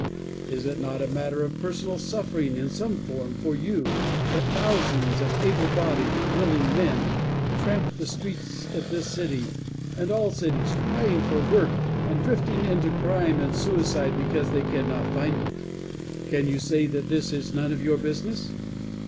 Is it not a matter of personal suffering in some form for you that thousands of able bodied, willing men tramp the streets of this city and all cities, crying for work and drifting into crime and suicide because they cannot find it? Can you say that this is none of your business?